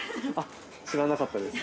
知らなかったです。